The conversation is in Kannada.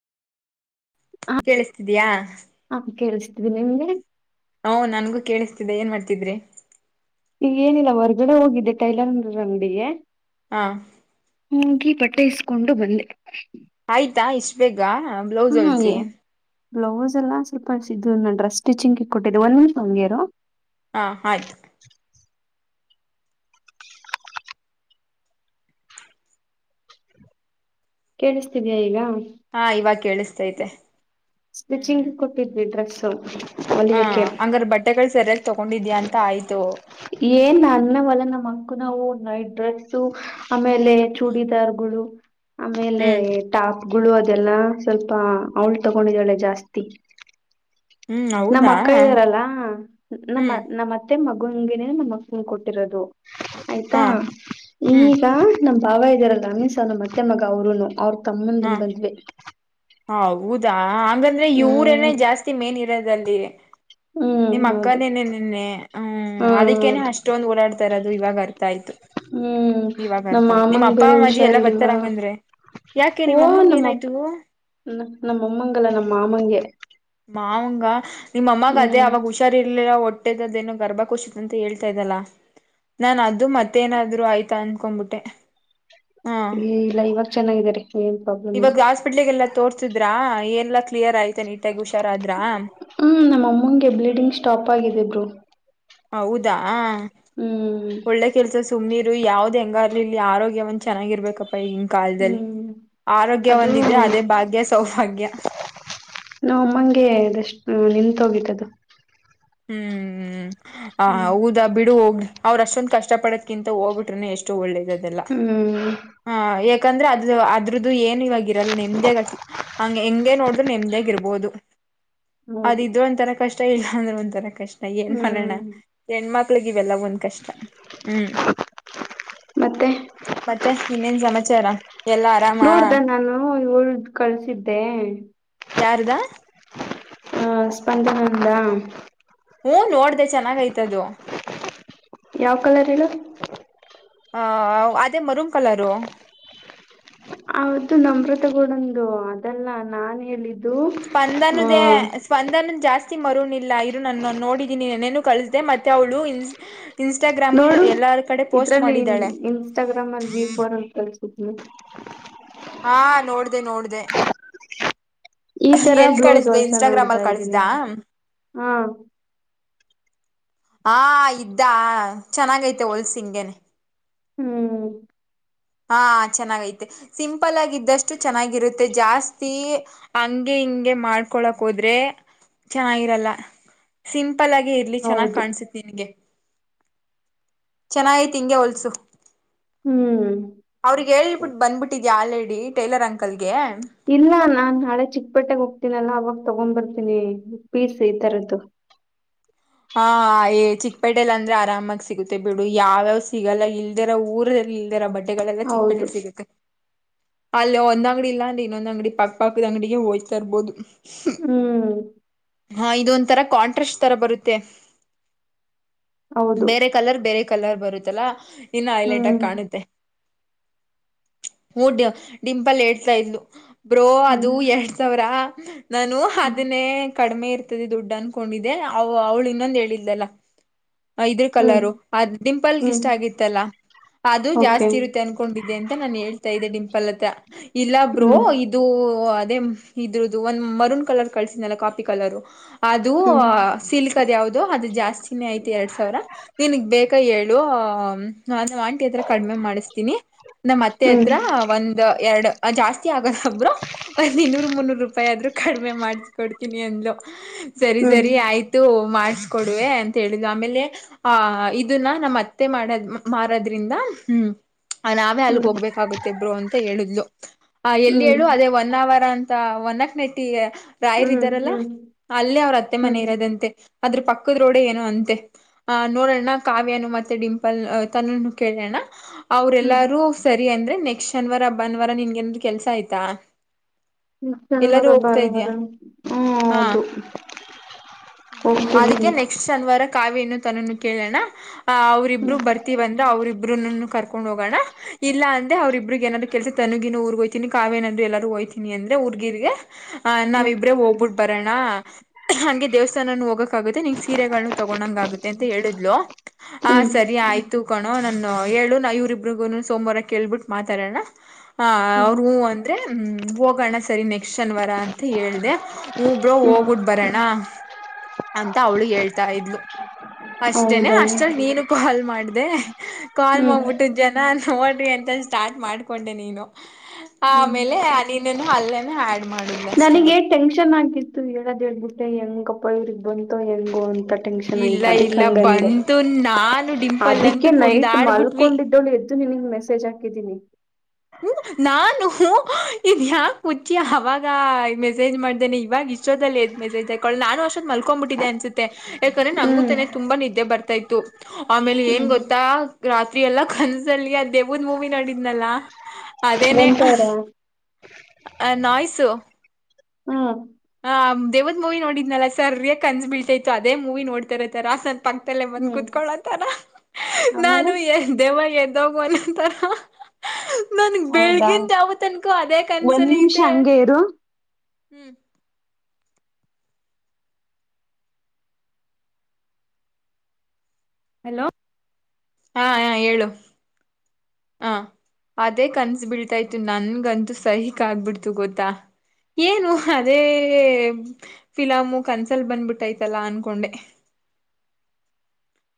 ಕೇಳಿಸ್ತಿದಯಾ. ಹಾ ಕೇಳಿಸ್ತಿದೆ ನಿಮ್ಗೆ. ಓ ನನ್ಗೂ ಕೇಳಿಸ್ತಿದ್ದ ಏನ್ ಮಾಡ್ತಿದ್ರಿ. ಈಗ ಏನಿಲ್ಲ ಹೊರ್ಗಡೆ ಹೋಗಿದ್ದೆ ಟೈಲರ್ ಅಂಗಡಿಗೆ. ಹಾ. ಹೋಗಿ ಬಟ್ಟೆ ಇಸ್ಕೊಂಡು ಬಂದೆ. ಆಯ್ತಾ ಇಷ್ಟ್ ಬೇಗ. ಗ ಬ್ಲೌಸ್ ಹ್ಮ ಅಲ್ಸಿ. ಬ್ಲೌಸ್ ಎಲ್ಲ ಸ್ವಲ್ಪ ಸಿದು ನ ಡ್ರೆಸ್ ಸ್ಟಿಚಿಂಗ್ ಇ ಕೊಟ್ಟಿದ್ದೆ ಒಂದ ವೀಂ ಹಂಗ್ಯರು ಹಾ ಆಯ್ತು. ಕೇಳಿಸ್ತಿದ್ಯಾ ಈಗ. ಹಾ ಇವಾಗ ಕೇಳಿಸ್ತೈತೆ ಹ್ಮ್್ಮ್. ಸೌ. ಹಾ ಹಂಗಾರ ಬಟ್ಟೆಗಳು ಸರಿಯ. ತಗೊಂಡಿದ್ಯಾ ಅಂತ ಆಯ್ತು. ಏನ್ ಅಣವಲ್ಲ ನಮ್ಮ್ ಅಕ್ಕು ನಾವು ನ ಡ್ರೆಸ್ಸು. ಆಮೇಲೆ ಚೂಡಿದಾರ್ಗಳು. ಆಮೇಲೆ ಹ್ಮ್ ಟಾಕ್ ಗುಳು ಅದೆಲ್ಲ ಸ್ವಲ್ಪ ಅವಳು ತಗೊಂಡಿದಾಳೆ ಜಾಸ್ತಿ ಹ್ಮ್ ನಮ್ಮ ಹೌದಾ ಅಕ್ಕ ಇದ್ದಾರಲ್ಲಾ ನಮ್ಮ ಹ್ಮ್ ನಮ್ಮ ಮತ್ತೆ ಮ ಗುಂಗಿನೇ ನಮ್ಮ ಮಸು ಕೊಟ್ಟಿರೋದು ಆಯ್ತಾ ಹಾ ಹ್ಮ್ ಈಗ ನಮ ಭಾವ ಇದ್ದಾರಲ್ಲ ಅಮ್ಾನ ಮತ್ತೆ ಮಗ ಅವರುನು ಅವ್ರ ತಮ್ಮಂದ ಮದ್ವೆ ಹೌದು ಹೌದಾ ಹಾಗಂಗಂದ್ರೆ ಹ್ಮ್ ಇವರನೆೇ ಜಾಸ್ತಿ ಮೇನ್ ಇರೋದಲ್ಲ ಹ ಹ್ಮ್ ನಿಮ್ಮ ಹೌದು ಅಕ್ಕನೇನೆ ನಿನ್ನೆ ಹ್ಮ್ ಹ್ಮ ಅದಕ್ಕೇನೆ ಹೌದು ಅಷ್ಟೊಂದು ಓಡಾಡ್ತಾರದು ದು ಇವಾಗ ಾಯ್ತು ಹ್ಮ್ ಇವಾಗ ನಮ್ಮ ಅರ್ಥ ಆಯ್ತು ನಿಮ್ಮ್ ಮಾಮಂಗ ಅಪ್ಪ ಬೇರೆ ಅಜಿ ಎಲ್ಲಾ ಹುಷಾರಿಲ್ವಾ ಬರ್ತಾರಂಗಂದ್ರೆ ಯಾಕೆ ಓ ನಿಮ್ಮ ಅಮ್ಮಂಗ ನಮ್ಮಪ್ಪ ಏನಾಯ್ತು ನಮ್ಮ ಅಮ್ಮಗೆಲ್ಲ ನಮ್ಮ ಮಾಮಂಗೆ ಮಾವಂಗ ನಿಮ್ಮ ಅಮ್ಮಗ ಅದೇ ಹ್ಮ್ ಅವಾಗ ಹುಷಾರರ್ಲ ಒಟ್ಟು ಹೊಟ್ಟೆದೇನ ಗರ್ಭ ಕುಶಿತ ಅಂತ ಹೇಳ್ತಾ ಇದ್ದಲ್ಲಾ ನಾನನ್ ಅ ಅದು ಮತ್ತೇನಾದ್ರು ಆಯ್ತಾ ಅ ಕೊಂಬಿಟ್ಟೆ ಹಾ ಇಲ್ಲ ಇವಾಗ ಚೆನ್ನಾಗಿದ್ದಾರೆ ಏನ್ ಪ್ರಾಬ್ಲಮ್ ಇಲ್ಲ ಇವಾಗ ಹಾಸ್ಪಿಟ್ಲಗೆಲ್ಲಾ ತೋರ್ಸಿದ್ರಾ ಎಲ್ಲ ಕ್ಲಿಯರ್ ಆಯನ ಹ್ಮ್ ನಮ್ಮ ಅಮ್ಮನ್ಗೆ ಬ್ಲೀಡಿಂಗ್ ಸ್ಟಾಪ್ ಆಗಿದೆ ಬರು ಹ ಹೌದಾ ಒಳ್ಳೆ ಕೆಲಸ ಸುಮ್ಮ್ ನೀರು ಯಾವ್ದು ಹೆಂಗಾರಲಿ ಇಲ್ಲಿ ಆರೋಗ್ಯ ಒಂದು ಚೆನ್ನಾಗಿರ್ಬೇಕಪ್ಪ ಗಿನ ಕಾಲದಲ್ಲಿ ಹ್ಮ್ ಆರೋಗ್ಯ ಒಂದಿದ್ರೆ ಅದು ಅದೇ ಭಾಗ್ಯ ಸೌಭಾಗ್ಯ ನಾ ಅಮ್ಮಗೆ ಅಷ್ಟ ನಿತ್ ಹೋಗಿಟ್ಟದು ಹ್ಮ್ ಹ ಹೌದಾ ಬಿಡು ಹೋಗ್ಲಿ ಅವ್ರ ಅಷ್ಟೊಂದ ಕಷ್ಟ ಪಡದಕಿಂತ ಹೋಗಬಿಟ್ರೆನೆ ಎಷ್ಟು ಒಳ್ಳೇದು ಹ್ಮ್ ಹ ಯಾಕಂದ್ರೆ ಅದು ಅದ್ರ್ದು ಏನ್ ಇವಾಗಿ ಇರಲ್ಲ ನಿಮ್ದೇಸಿ ಹಂಗ ಹೆಂಗಗೆ ನೋಡಿದ್ರು ನಿಮ್ದೇಾಗ ಇರ್ಬೋದು ಹೌದು ಅದಿದ್ರು ಒಂತರ ಕಷ್ಟ ಸ್ಟೈಲ್ ಅಂದ್ರ ಒ ತರ ಕಷ್ಟ ಏನ್ ಮಾಡೋಣ ಹ್ಮ್ ಹೆಣ್ಮತ್ [unintelligible] ಲ್ಲ ಒಂದ್ ಕ ಹ್ಮ್ ಮತ್ತೆ ಮತ್ತೆ ಇನ್ನೇನ್ ಸಮಸೆ ಬಚಾರಾ ನೋಡ್ದ ನಾನು ಏಳೆಂಟು ಕಳಸಿದ್ದೆ ಯಾರದಾ ಹಾ ಸ್ಪಂದನಂದದಾ ಹ್ಮ ನೋಡ್ದ ಚೆನ್ನಾಗೈತೆ ಅದು ಯಾವ್ ಕಲರ್ ಹೇಳು ಹ ಅದೇ ಮರೂಮ್ ಕಲರು ಅವತ್ತು ನಮ್ರತಗೂಡಂದು ಅದಲ್ಲ ನಾನ್ ಹೇಳಿದ್ದೆ ಸ್ಪಂದನದೇ ಸ್ಪಂದನ ಜಾಸ್ತಿ ಮರುನಿಲ್ಲ ನನ್ನ ನೋಡಿದ್ದೀನಿ ನನೇನು ಕಳಿಸಿದೆೆ ಮತ್ತೆ ಅವಳು ಇನ್ ಇನ್ಸ್ಟಾಗ್ರಾಮು ನೋಡು ಎಲ್ಲಾರ ಕಡೆ ಪೋಸ್ಟ್ ಇದ್ರಲ್ಲಿ ಮಾಡಿದ್ದಾಳೆ ಇನ್ಸ್ಟಾಗ್ರಾಮ್ ಅಲ್ಲಿ ವಿಫೋರ್ ಅಂತ ಹೆ ಹಾ ನೋಡ್ದ ನೋಡ್ದ ಈ ತರ ಎಲ್ ಬ್ಲೌಸ್ ಕಳಿಸ್ದ ಹೊಲ್ಸಣ ಇನ್ಸ್ಟಾಗ್ರಾಮ್ ಅಂತ ಅಲ್ಲಿ ಕಳಿಸ್ದ ಇದ್ದೀನಿ ಹಾ ಹ ಇದ್ದ ಚೆನ್ನಾಗೈತೆ ಹೊೋಲ್ಸಿ ಹಂಗೇನೆ ಹ್ಮ್ ಹಾ ಚೆನ್ನಾಗೈತೆ ಸಿಂಪಲ್ ಆಗಿದ್ದಷ್ಟು ಚೆನ್ನಾಗಿರುತ್ತೆ ಜಾಸ್ತಿ ಹಂಗೆ ಹಿಂಗೆ ಮಾಡ್ಕೊಳಕ್ ಹೋದ್ರೆ ಚೆನ್ನಾಗಿರಲ್ಲ ಸಿಂ ತಪ್ಪಲಾಗೆ ಇರ್ಲಿ ಚೆನ್ನಾಗ್ ಹೌದು ಕಾಣ್ಸಿತಿ ನಿನ್ಗೆ ಚೆನ್ನಾಗಿತಿ ಹಿಗೆ ಹೊಲ್ಸು ಹ್ಮ್ ಅವ್ರಿಗೆಗ್ ಹಳ್ಬಟ್ಟು ಬಂದ್ಬಿಟ್ಟಿದ್ ಯಲ್ಡಿ ಟೈಲರ್ ಅಂಕಲ್ಗೆ ಇಲ್ಲ ನಾನ್ ನಾಳೆ ಚಿಕ್ಕಪಟ್ಟೆೆಗೆ ಹೋಗ್ತೀನಲ್ಲ ಅವಾಗ ತಗೊಂಡ್ ಬರ್ತೀನಿ ಪೀಸ್ ಈ ತರದ್ದು ಹ ಏ ಚಿಕ್ಕಪೇಟೆಲಿ ಅಂದ್ರೆ ಆರಾಮಾಗ ಸಿಗುತ್ತೆ ಬಿಡು ಯಾವ್ಯಾವ್ ಸಿಗಲ್ಲ ಇಲ್ದಿರ ಊರ್ಲ್ಲಿ ಇಲ್ದಿರ ಬಟ್ೆ ಗಳೆಲ್ಲ ಹೌದು ಚಿಕ್ಪಟ್ಟಿರ್ ಸಿಗುತ್ತೆ ಅಲ್ಲ ಒಂದ ಅಂಗಡಿ ಇಲ್ಲಾನ್ರಿ ಇನ್ನೊಂದ್ ಅಂಗಡಿ ಪಕ್ಕ ಪಕ್ಕದ ಅಂಗಡಿಗೆ ಹೋಯ್ತಾ ಇರ್ಬೋದು ಹ್ಮ್ ಹಾ ಇದು ಒಂ ತರ ಕಾಂಟ್ರಾಸ್ಟ್ ತರ ಬರುತ್ತೆ ತ್ತೆ ಹೌದು ಬೇರೆ ಕಲರ್ ಬೇರೆ ಕಲರ್ ಬರುತ್ತಲ್ಲಾ ಇನ್ನು ಐ್ಲೆಟಾಗಿ ಹ್ಮ್ ಕಾಣುತ್ತೆ ಊ ಡಿಂಪಲ್ ಹೇಡ್ತಾ ಇದ್ಲು ಬ್ರೋ ಅದು ಹ್ಮ್ ಎರಡು ಸಾವಿರ ಹ್ಮ ನಾನು ಹ್ಮ್ ಹದಿನೇ ಕಡಿಮೆ ಇರ್ತದೆ ದುಡ್ಡು ಅನ್ಕೊಂಡಿದ್ದಿದೆ ಓ ಅವ್ಳು ಇನ್ನೊಂದು ಹೇಳಿದ್ದಲ್ಲ ಇದ್ರ ಹ್ಮ್ ಕಲರು ಅ ಡಿಂಪಲ್ಗೆ ಹ್ಮ್ ಇಷ್ಟ ಆಗಿತ್ತಲ್ಲಾ ಅದು ಓಕೆ ಜಾಸ್ತಿ ಇರುತ್ತೆ ಅನ್ಕೊಂಡಿದೆ ಅಂತ ನಾನು ಹೇಳ್ತಾ ಇೆ ಡಿಂಲ್ ಪಲತ ಇಲ್ಲ ಬ್ರೋ ಹ್ಮ್ ಇದು ಅದ ಇದ್ರದು ಒಂದ್ ಮರೂನ್ ಕಲರ್ ಕಳಸಿದನಲ್ಲ ಕಾಪಿ ಕಲರ್ ಅದು ಹ್ಮ್ ಅದ ಯಾವ್ದೋ ಅದು ಜಾಸ್ತಿನೇ ಆಯತ ಎರಡ್ ಸಾವಿರ ನಿನ್ಗ್ ಬೇಕ ಹೇಳು ಆ ಅದು ಆಂಟಿ ಹತ್ರ ಕಡಿಮೆ ಮಾಡಿಸತಿನಿ, ನಮ್ಮ್ ಅತ್ತೆ ಹ್ಮ್ ಹತ್ರ ಒಂದ್ ಎರಡು ಜಾಸ್ತಿ ಆಗಲ್ಲ, ಒಬ್ರು ಒಂದ ಇನ್ನೂರ್ ಮುನ್ನೂರು ಒಂದ್ ರೂಪಾಯಿ ಆದ್ರೂ ಕಡಿಮೆ ಮಾಡಿಸಕೊಡ್ತೀನಿ ಅಂದ್ಲು. ಸರಿ ಹ್ಮ್ ಸರಿ ಆಯ್ತು. ಮಾಡಸ್ಕೊಡುವೆ ಅಂತ ಹೇಳುದು ಆಮೇಲೆ ಆಹ ಇದನ್ನ ನಮ್ಮ ಅತ್ತೆ ಮಾಡದ್ ಮಾರೋದ್ರಿಂದ ಹ್ಮ್ ನಾವೇ ಹ್ಮ್ ಅಲ್ಲಿಗ್ ಹೋಗ್ಬೇಕಾಗುತ್ತೆ ಬ್ರೋ ಅಂತ ಹೇಳಿದ್ಲು ಆ ಎಲ್ಲಿ ಹೇಳು ಅದೇ ಹೊನ್ನಾವರ ಅಂತ ಒನಕ್ ನೈಟಿಗೆ [unintelligible] ರಾಯರ್ ಹ್ಮ್ ಇದ್ದಾರಲ್ಲಾ, ಹ್ಮ್ ಅಲ್ಲೇ ಅವ್ರ ಅತ್ತೆ ಹ್ಮ್ ಹ್ಮ್ ಮನೆ ಹ್ಮ್ ಇರೋದಂತೆ. ಅದ್ರ ಪಕ್ಕದ ರೋಡೇ ಏನು ಅಂತೆ ಅ ನೋಡೋಣ ಕಾವ್ಯನು ಮತ್ತೆ ಡಿಂಪಲ್ ತನುನು ಕೇಳೋಣ ಅವ್ರ ಹ್ಮ್ ಎಲ್ಲಾರೂ ಸರಿ ಅಂದ್ರೆ ನೆಕ್ಸ್ಟ್ ಶನಿವಾರ ಭಾನುವಾರ ನಿನಗೇನು ಕೆಲ್ಸ ಆಯ್ತಾ. ಎಲ್ಲಾರೂ ಶನಿವಾರ ಹೋಗ್ತಾ ಭಾನುವಾರ ಇದ್ಯಾ ಹ್ಮ ಹಾ ಹೌದು. ಅದಕ್ಕೆ ಹೋಗ್ತಿದ್ದೀನಿ ನೆಕ್ಸ್ಟ್ ಶನಿವಾರ ಬಾರೆ ಕಾವ್ಯನ್ನು ತನುನ್ನ ಕೇಳೋಣ ಅವ್ರರಿಬ್ರು ಹ್ಮ್ ಬರ್ತೀವಂದ್ರು [unintelligible] ಅವ್ರರಿಬ್ರು ಇಬ್ಬರುನ್ನ ಕರಕೊಂಡ ಹೋಗೋಣ ಇಲ್ಲ, ಅಂದ್ರೆ ಅವ್ರ ಇಬ್ಬ್ರರಿಗೆ ಏದಾರರು ಕೆಲಸ ತನು ಗೀನು ಊರಿಗೆ ಹೋಯತೀನಿ ಕಾವ್ಯ ಏನಾದ್ರೂ ಎಲ್ಲಾದರೂ ಹೋಗ್ತೀನಿ ಅಂದ್ರೆ ಊರ್ಗೀರಿಗೆ ಹ ಹ್ಮ್ ನಾವಿಬ್ರೆ ಹೋಗ್ಬಿಟ್ಟ ಬರೋಣ, ಹಂಗೆ ದೇವಸ್ಥ ಹೋಗಕಾಗುತ್ತೆ ನಿಂಗೆ ಸೀರೆಗಳನ್ನು ತಗೊಂಡಂಗ ಆಗುತ್ತೆ ಅಂತ ಹೇಳಿದ್ಲು, ಆ ಹ್ಮ್ ಸರಿ ಆಯ್ತು. ಕೋಣೋ ನನ್ ಹೇಳು ನಾ ಇವರಿಬ್ರಿಗೂ ಸೋಮವಾರ ಕೇಳ್ಬಿಟ್ಟು ಮಾತಾಡೋಣ. ಹ ಹ್ಮ್ ಅವ್ರು ಹೂ ಅಂದ್ರರೆ ಹೋಗೋಣ ಸರಿ ನೆಕ್ಸ್ಟ್ ಶನಿವಾರ ಅಂತ ಹೇಳಿದೆ. ಹ ಬ್ರೋ ಹ್ಮ್ ಹೋಗುಟ್ ಬರೋಣ. ಅಂತ, ಅವಳು ಹೇಳ್ತಾ ಇದ್ಲು ಅಷ್ಟೇನೆ, ಹೌದಾ ಅಷ್ಟಲ್ಲಿ ನೀನು ಕಾಲ್ ಮಾಡ್ದ ಅದೇ ಕಾಲು ಹ್ಮ್ ಮಾಡ್ಬಿಟ್ಟು ಜನ ನೋಡ್ರಿ ಅಂತ ಸ್ಟಾರ್ಟ್ ಮಾಡ್ಕೊಂಡೆ ನೀನು ಆ ಹ್ಮ್ ಮೇಲೆ ನೀನ್ನನು ಅಲ್ಲೇನ ಆ್ಯಡ್ ಮಾಡ ನನಗೆ ಟೆನ್ಷನ್ ಆಗಿತ್ತು, ಹೇಳೋದ್ ಹೇಳ್ಬಿಟ್ಟೆ ಹೆಂಗಪ್ಪ ಬೈ ಬಂತೋ ಹೆಂಗೋ ಅಂತ ಟೆನ್ಶನ್ ಆಗಿ ಇಲ್ಲ ಅದಕ್ಕೆ ಇಲ್ಲ ಹಂಗೆ ಅಂದೆ ಬಂತು ನಾನು ಡಿಂಪಲ್ ಅದಕ್ಕೆ ಅಂತೂ ನೈಟ್ ಕುಣ್ದಾಡ್ಬಿಟ್ವಿ ಮಲ್ಕೊಂಡಿದಳು ಎದ್ದು ನಿನಗೆ ಮೆಸೇಜ್ ರಜ ಹಾಕಿದೀನಿ. ಹ್ಮ ನಾನು ಹ ಇದು ಯಾಕ ಹುಚ್ಚಿ ಅವಾಗ ಮೆಸೇಜ್ ಮಾಡ್ದೇನೆ ಇವಾಗ ಇಷ್ಟೊತ್ತಲ್ಲಿ ಎದ್ದಿ ಮೆಸೇಜ್ ತಾಕೋಡ್ಕೊಳ ನಾನು ಅಷ್ಟೊತೊಳಗೆ ಮಲ್ಕೊಂಡು ಬಿಟ್ಟಿದೆೆ ಅನ್ಸುತ್ತೆ ಯಾಕಂದ್ರೆ ನಂಗೂ ಹ್ಮ್ ತಾನೆ ತುಂಬಾ ನಿದ್ದೆ ಬರ್ತ್ ಗೊತ್ತಾಯ್ತು ಆಮೇಲೆ ಏನ್ ಹ್ಮ್ ಗೊತ್ತಾ ರಾತ್ರಿ ಎಲ್ಲಾ ಕನಸಲ್ಲಿ ಅ ದೇವ್ ದಮೂವಿ ನಡಿದ್ನಲ್ಲ [unintelligible] ಆ ನಾಯ್ಸು ಹೂ ಹ ದೇವ್ ಮೂವಿ ನೋಡಿದ್ನಲ್ಲ ಸರಿಯಾಗಿ ಕಳಿಸ್ಬಿಳ್ತಾ ಇತ್ತು ಅದೇ ಮೂವಿ ನೋಡ್ತಾರ ತರ ಸತೋ ಪಕ್ಲ್ಲೇ ಬಂದ್ ಹ್ಮ್ ಕೂತ್ಕೊಲೊಥರ ಆಮೇಲೆ ನಾನು ಏನ್ ದೇವ ಏನ್ ಪಂತ [unintelligible] ನನಗೆ ಹೌದಾ ಬೆಳಗಿನ ಜಾವನ್ ತನಕ ಅದೇ ಒಂದ್ ನಿಮಿಷ ಕನಸಲಿದೆ ಹಂಗೆ ಇರು ಹೂ ಹಲೋ ಹಾ ಹ ಹೇಳು ಹ ಅದೇ ಕನಸು ಬಿಳ್ತ ಇತು ನನ್ಗಂತೂ ಸೈಕ್ ಆಾಗಬಿಡ್ತು ಗೊತ್ತಾ ಏನು ಅದೇ ಫಿಲಾಮು ಕನ್ಸಿಲಿ ಬಂದ್ಬಿಟ್ಟೈ್ತಲ್ಲ ಅನ್ಕೊಂಡೆ